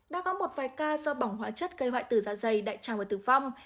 đã có một vài ca do bỏng hóa chất gây hoại tử da dày đại tràng và tử vong